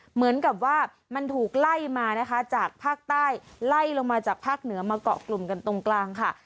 เหมือนกับว่ามันถูกไล่มานะคะจากภาคใต้ไล่ลงมาจากภาคเหนือมาเกาะกลุ่มกันตรงกลางค่ะ